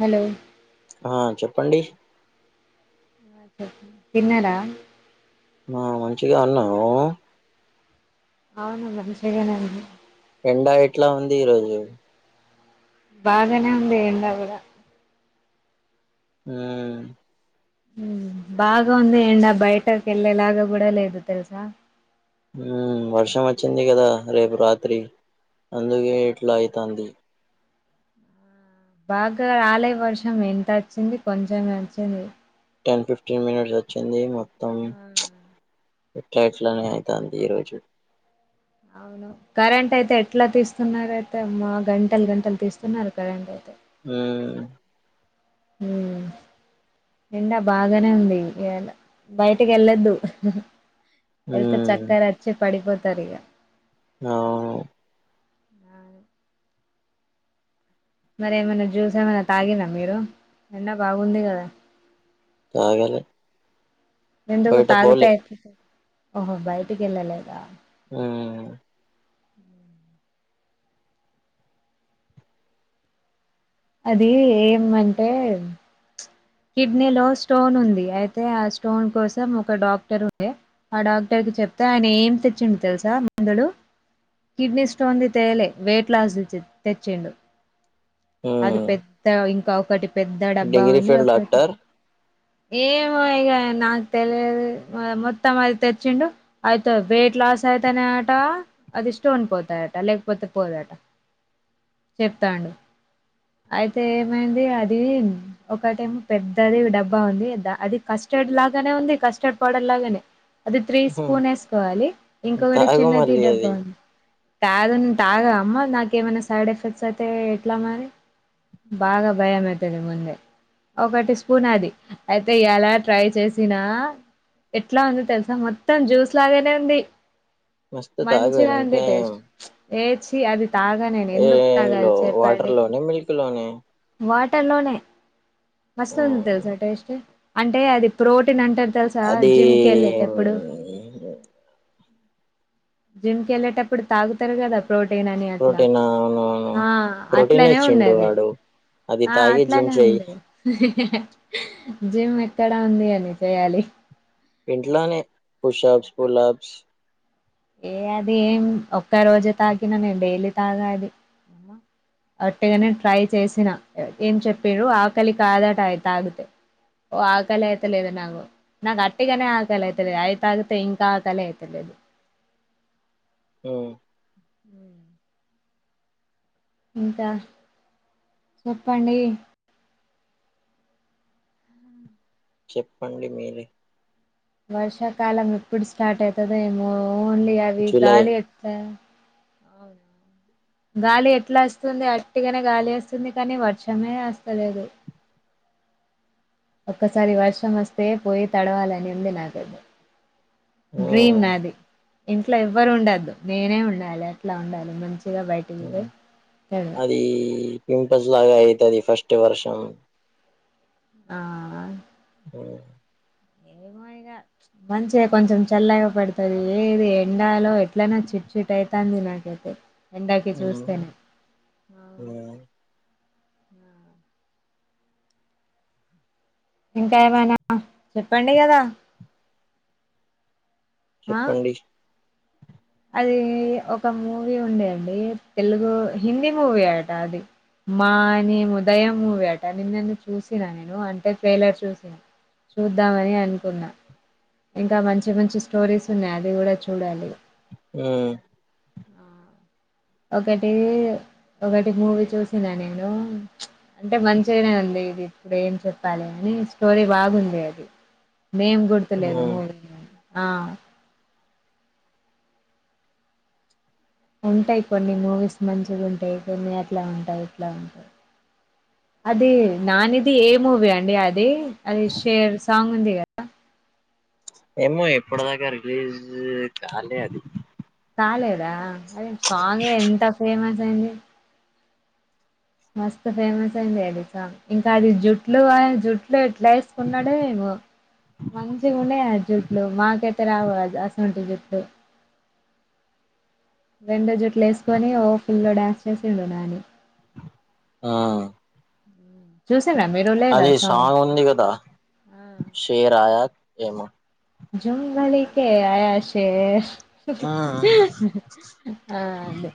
Hello ఆ చెప్పండి చెప్ప తిన్నారా ఆ మంచిగా ఉన్నావా నువ్వు అవును మంచి గానే ఉన్న ఎండా ఎట్లా ఉంది ఈరోజు బాగానే వుంది ఎండ కూడ ఆమ్ హమ్ బాగా వుంది ఎండా బయటకి ఎలేలాగ కూడా లేదు తెల్సా ఉమ్ వర్షం వచ్చింది కదా రేపు రాత్రి అందుకే ఇట్లా అయితంది బాగా రాలే వర్షం ఎంత వచ్చింది కొంచమే వచ్చింది టెన్ ఫిఫ్టీన్ మినిట్స్ వచ్చింది మొత్తం ఆ, ఎట్లా ఇట్లనే అవుతంది ఈ రోజు అవును కరెంట్ అయితే ఎట్లా తీస్తున్నారు అయితే అమ్మా గంటలు గంటలు తీస్తున్నారు కరెంట్ అయితే ఆమ్ హమ్ ఎండా బాగానే ఉంది ఇయాలా బయటికి వెళ్ళొద్దు వెళ్తే ఉమ్ చక్కెర వచ్చి పడిపోతారు ఇక ఆ మరి ఏమైనా జ్యూస్ ఏమైనా తాగిన్రా మీరు ఎండా బాగుంది కదా తాగాలే ఎందుకు బయట తాగుతా పోలే ఎత్తు ఓహో బయటికి వెళ్ళ లేదా ఆమ్ ఉమ్ అది ఏం అంటే కిడ్నీ లో స్టోన్ ఉంది అయితే ఆ స్టోన్ కోసం ఒక డాక్టర్ ఉంది ఆ డాక్టర్ చెప్తే ఆయన ఏం తెచ్చిండు తెలుసా మందులు కిడ్నీ స్టోన్ ది తేలే వెయిట్ లాస్ తెచ్చిండు అది ఉమ్ పెద్ద ఇంకా ఒకటి పెద్ద డబ్బా ఉంది ఒకటి త్తరు ఏమో ఇగ నాకు తెలిదు మొత్తం ఐదు తెచ్చిండు ఆయితు బ వెయిట్ లాస్ అయితనే ఆట అది స్టోన్ పోతాయట లేకపోతే పోదట ఒ చెప్తాండు అయితే ఏమైంది అది ఒకటేమో పెద్దది డబ్బా ఉంది అది కస్టర్డ్ లాగానే ఉంది కస్టర్డ్ పౌడర్ లాగానే అది త్రీ హ్మ్. స్పూన్ వేసుకోవాలి ఇంకొకటి తాగు చిన్నతీ మళ్ళీ డబ్బా అది ఉంది తాగన్ తాగా అమ్మా నాక ఏమైనా సైడ్ ఎఫెక్ట్స్ అయితే ఎట్లా మరి బాగా భయం అయితది ముందే ఒకటి స్పూన్ అది అయితే ఇయ్యాల ట్రై చేసినా ఎట్లా ఉంది తెలుసా మొత్తం జ్యూస్ లాగానే ఉంది మస్తు తాగు మంచిగా ఇంకా అందే ఏం టేస్ట్ ఏ చీ అది తాగానేను ఏ ఎందుకు తాగాలి లో వాటర్ చెప్పండి లోనే మిల్క్ లోనే వా టల్లోనే మస్తుంది ఆ తెలుసా టేస్ట్ అంటే అది ప్రోటీన్ అంటారు తెలుసా అది జిమ్ కి ఏళ్ళేటప్పుడు జిమ్కి వెళ్ళలేటప్పుడు తాగుతారు కదా ప్రోటీన్ అని అట్లా ప్రోటీన్ అవునవును ఆ ప్రోటీన్ అట్లనే ఇచ్చిండు ఉన్నది వాడు అది ఆ తాగి జిమ్ అట్లనేే చెయి ఉంది జిమ్ ఎక్కడ ఉంది అని చేయాలి ఇంట్లోనే పుషాబ్స్ పులాబ్స్ ఏ అది ఏం ఒక్క రోజు తాగీన నేను డైలీ తాగాది ఒ అట్టేగానే ట్రై చేసినా ఏం చెప్పిర్రు ఆకలి కాదట అయి తాగితే ఓ ఆకలి అయితే లేదు నాకు అట్టిగానే ఆకలి అయితలేదు అయితాగతే ఇంకా ఆకలి అయితలే ఒ హ ఉ ఇంకా చెప్పండి చెప్పండి మీరే వర్షాకాలం ఎప్పుడు స్టార్ట్ అయితదో ఏమో ఓన్లీ అవి జూలై గాలి ఎతా అవున గాలి ఎట్లా అస్తుంది అట్టిగానే గాలి వస్తుంది కానీ వర్షమే అస్తలేదు ఒక్కసారి వర్షం వస్తే పోయి తడవాలని ఉంది నాకైతే డ్రీమ్ ఉమ్, నాది ఇంట్లో ఎవ్వరు ఉండద్దు నేనే ఉండాలి అట్లా ఉండాలి మంచి అది పింపుల్స్ లాగా అయితది ఫస్ట్ కి వర్షం ఆ ఆ ఏమో ఇగ మంచిగా కొంచెం చల్లగా పడుతది ఏది ఎండాలో ఎట్లనా చిట్ చిట్ అయితాంది అదే అదే ఇందాకే చూసి ఉమ్, పోయిన ఉమ్. ఇంకా ఏమైనా చెప్పండి కదా ఆ చెప్పండి అది ఒక మూవీ ఉండే అండి తెలుగు హిందీ మూవీ ఆట అది మాని ఉదయం మూవీ అట నిన్న నీను చూసిన నేను అంటే ఫ్రెలర్ చూసిన చూద్దామని అనుకున్నా ఇంకా మంచి మంచి స్టోరీస్ ఉన్నాయి అది కూడా చూడాలి అ ఆ ఒకటి ఒకటి మూవీ చూసినా నేను అంటే మంచిగానే ఉంది ఇది ఇప్పుడు ఏం చెప్పాలి అని స్టోరీ బాగుంది అది ఏమి గుర్తులేదు ఉమ్. మూవీ లో ఆ ఉంటాయి కొన్ని మూవీస్ మంచిగా ఉంటాయి కొన్ని అట్లా ఉంటాయి ఇట్లా ఉంటాయి అది నానిది ఏ మూవీ అండి అది అది షేర్ సాంగ్ ఉంది కదా ఏమో ఇప్పటి దాకా రిలీజ్ కాలే అది కాలేదా అదే సాంగ్ ఎంత ఫేమస్ అయింది అది మస్త్ ఫేమస్ అయింది తెలుస ఇంకా అది జుట్లు జుట్లు ఎట్లా వేసుకున్నాడే ఏమో మంచిగ ఉన్నాయి ఆ జుట్లు మాకయితే రావు అసువంటి జుట్లు రెండు జుట్లు వేసుకొని ఓ ఫుల్ గా డ్యాన్స్ చేసిండు నాని ఆ చూసిండ్రా మీరు లేదా అది సాంగ్ ఉంది కదా సాంగ్ షేర్యా ఏమో జంబలికే షేర్ ఆ ఆ అదే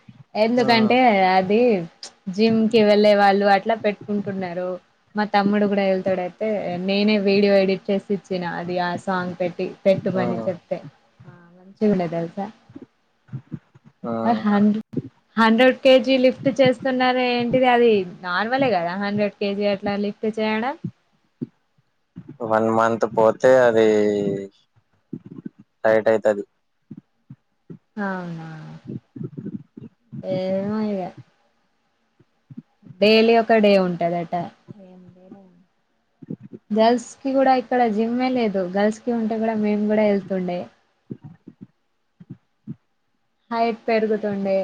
ఆ ఎందుకంటే అది జిమ్ కి వెళ్ళలే వాళ్ళు అట్లా పెట్టుకుంటున్నారు మా తమ్ముడు కూడా వెళ్తాడు అంటే నేనే వీడియో ఎడిట్ చేసి ఇచ్చిన అది ఆ సాంగ్ పెట్టి పెట్టీ పెట్టమని ఆ. చెప్ప మంచిగా ఉండు తెలుసా ఆ హండ హండ్రెడ్ కేజీ లిఫ్ట్ చేస్తున్నారే ఏంటి ది అది నార్మలే కదా హండ్రెడ్ కేజీ అట్లా లిఫ్ట్ చేయడం వన్ మంత్ పోతే అది టైట్ అయితది అవునా ఏమో ఇగ డైలీ ఒక డే ఉంటదట గర్ల్స్ కి కూడా ఇక్కడ జిమ్ే లేదు గర్ల్స్ కి ఉంటే కూడా మేం కూడా వెళ్తుండే హైట్ పెరుగుతుండే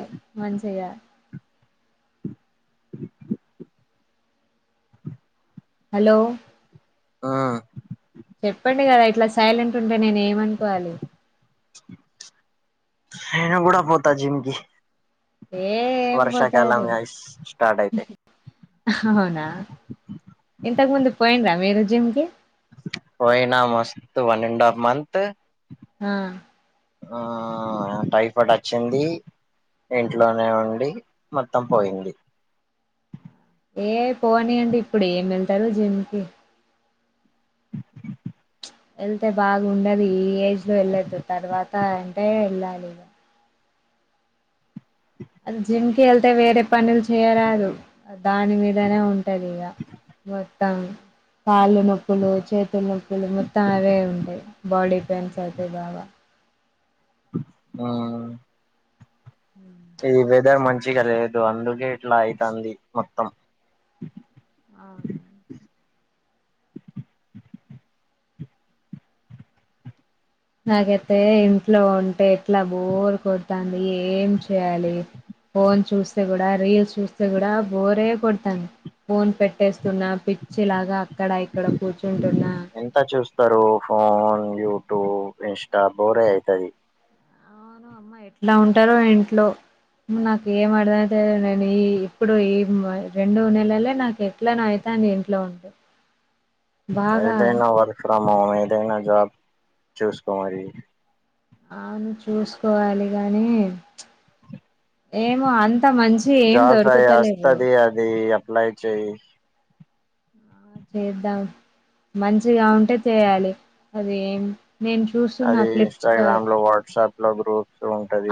మంచిగా హలో ఆ చెప్పండి కదా ఇట్లా సైలెంట్ ఉంటే నేను ఏమనుకోవాలి నేను కూడా పోతా జిమ్కి ఏ ఏం వర్షాకాల పోతారు మయిస్ స్టార్ట్ అయితే అవునా ఇంతకు ముందు పోయినరా మీరు జిమ్కి పోయినా మస్తు వన్ అండ్ హఫ్ మంత్ హ ఆ టైఫాయిడ్ వచ్చింది ఆ. ఇంట్లోనే ఉండి మొత్తం పోయింది ఏ పోనీ అండి ఇప్పుడు ఏం వెళ్తారు జిమ్కిి వెళ్తే బాగుండదు ఈ ఏజ్ లో వెళ్ళొద్దు తర్వాత అంటే వెళ్ళాలి అది జిమ్ కి వెళ్తే వేరే పనులు చేయరాదు దాని మీదనే ఉంటది ఇక మొత్తం కాళ్ళు నొప్పులు చేతులు నొప్పులు మొత్తం అవే ఉంటాయి బాడీ పెయిన్స్ అయితే బాగా ఆ ఇది వెదర్ మంచిగా లేదు అందుకే ఇట్లా అయితాంది మొత్తం ఆ నాకైతే ఇంట్లో ఉంటే ఎట్లా బోరు కొడతాంది ఏం చేయ్యాలి ఫోన్ చూస్తే కూడా రీల్స్ చూస్తే కూడా బోరే కొడతాంది ఫోన్ పెట్టేస్తున్నా పిచ్చిలాగా అక్కడ ఇక్కడ కూర్చుంటున్నా. ఎంత చూస్తారు ఫోన్ యూట్యూబ్ ఇన్స్టా బోరే అయితది అమ్మా ఎట్లా ఉంటారో ఇంట్లో నాకు ఏం అర్థం అయితాదో నేను ఈ ఇప్పుడు ఎం రెండు నెలలే నాకు ఎట్లానో అయి తాంది ఇంట్లో ఉంటే బాగా ఏదైనా వర్క్ ఫ్రమ్ హోమ్ ఏదైనా జాబ్ చూసుకో మరి అవును చూసుకోవాలి గాని ఏమో అం జాబ్స్ అయి వస్తది అది అప్లై చేయి ఆ చేద్దాం మంచిగా ఉంటే చేయాలి అదేం అది ఇన్స్టాగ్రామ్లో వాట్సాప్లో గ్రూప్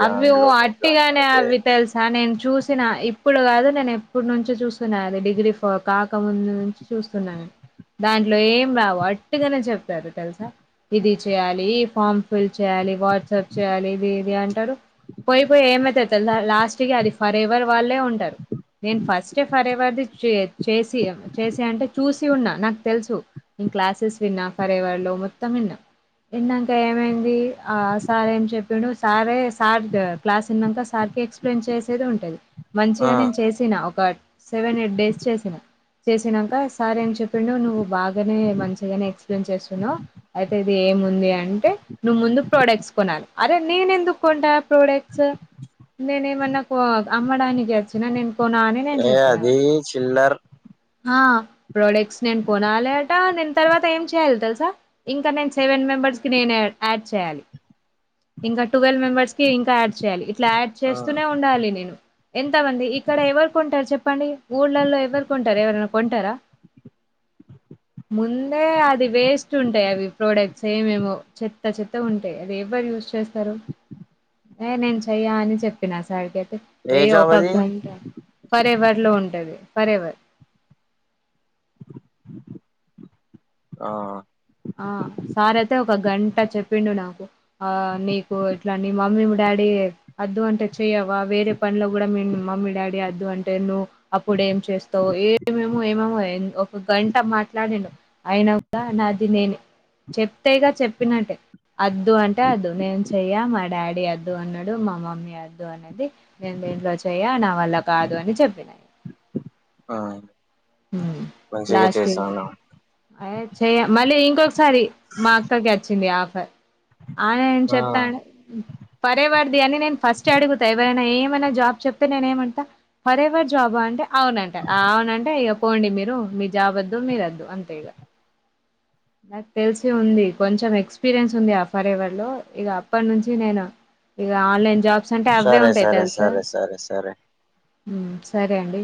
అవే ఓ అట్టిగానే అవి తెల్సా నేన్ చూసిన ఇప్పుడు కాదు నేను ఎప్పుడు నుంచో చూస్తున్నా అది డిగ్రీ ఫ కాకముందు నుంచి చూస్తున్నా నేను దాంట్లో ఏం రావు అట్టుగానే చెప్పారు తెలుసా ఇది చేయాలి ఫార్మ్ ఫిల్ చేయాలి వా సర్చ్ చేయాలి ఇది ఇది అంటారు పోయిపోయి ఏమైతాది తెలుసా లా స్ట్‌కి అది ఫర్ ఎవర్ వాళ్ళే ఉంటారు నేను ఫస్ట్ ఫర్ ఎవర్ ది చే చేసి చేసి అంటే చూసి ఉన్నా నాకు తెలుసు నేను క్లాసెస్ విన్నా ఫర్ ఎవర్లో మొత్తం ఇన్నా ఇన్నాంక ఏమైంది ఆ సారేం చెప్పిండు సారే సార్‌కి క్లాస్ ఇన్నంకా సార్‌కి ఎక్స్ప్లెయిన్ చేసేది ఉంటది ఆ మంచిగా నేను చేసిన ఒక సెవెన్ ఎయిట్ డేస్ చేసిన చేసినాంక సారేం చెప్పిండు నువ్వు బాగానే మంచిగానే ఎక్స్ప్లెయిన్ చేస్తున్నావు అయితే ఇది ఏముంది అంటే నువ్వు ముందు ప్రోడక్ట్స్ కొనాలి అరే నేను ఎందుకు కొంటా ప్రోడక్ట్స్ నేను ఏమన్నా అమ్మడానికి వచ్చినా నేను కోనా అని నేను ఏ చెప్పినా అది చిల్లర్ ఆ ప్రోడక్ట్స్ నేను కోనాలి అట నేను తర్వాత ఏం చేయాలి తెలుసా ఇంకా నేను సేవెన్ మెంబర్కి నేనే యాడ్ చేయాలి ఇంకా ట్వెల్వ్ మెంబర్స్‌కి ఇంకా యాడ్ చేయాలి ఇట్లా యాడ్ ఆ చేస్తూనే ఉండాలి నేను ఎంతమంది ఇక్కడ ఎవరుకొంటారు చెప్పండి ఊళ్ళలో ఎవరు కొంటారు ఎవరన్నా కొంటారా ముందే అది వేస్ట్ ఉంటాయి అవి ప్రోడక్ట్స్ ఏవేవో చెత్త చెత్తగుంటాయి అది ఎవరు యూజ్ చేస్తారు ఏ నేను చెయ్యా అని చెప్పినా సార్ కి ఏ అయ్యో జాబ్ ఒక అది గంట ఫరెవర్లో ఉంటది ఫరెవర్ ఆ ఆ సార్ అయితే ఒక గంట చెప్పిండు నాకు ఆ నీకు ఇట్లా నీ మమ్మీ మీ డాడీ అద్దు అంటే చెయవా వేరే పనిలో కూడా మీ మమ్మీ డాడీ అద్దు అంటే నువు అప్పుడు ఏం చేస్తావు ఏమేమో ఏమేమో ఒక గంట మాట్లాడిండు అయిన కూడా నా ది నేనే చెప్తే ఇగా చెప్పినట్టే అద్దు అంటే అద్దు నేను చెయ్య మా డాడీ అద్దు అన్నాడు మా మమ్మీ అద్దు అనది నేను దీంట్లో చేయ్య నావల్ల కాదు అని చెప్పినా ఇగ ఆ ఉమ్మ్ మంచిగా లాస్ట్‌కి చేసాను అ చెయ మళ్ళీ ఇంకొకసారి మా అక్కకి వచ్చింది ఆఫర్ ఆమె ఏం ఆ చెపంటే ఫరేవర్దీ అని నేను ఫస్టే అడుగుతా ఎవరైనా ఏమన్నా జాబ్ చెప్తే నేనే ఏమంటా ఫరేవర్ జాబా అంటే అవునంటా అవునంటే ఇగ పోండి మీరు మీ జాబ్ వద్దు మీరొద్దు అంతే ఇగ నాకు తెలిసి ఉంది కొంచెం ఎక్స్పీరియన్స్ ఉంది ఆ ఫర్ ఎవర్ లో ఇగ అప్పటి నుంచి నేను ఇగ ఆన్లైన్ జాబ్స్ అంటే అవ్వే సరే ఉంటాయి సరే తెలుసా సరే సరే సరే ఉమ్ సరే అండి